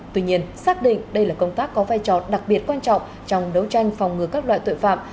tuy nhiên xác định đây là công tác có vai trò đặc biệt quan trọng trong đấu tranh phòng ngừa các loại tội phạm